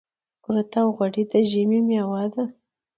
کورت او غوړي د ژمي مېوه ده .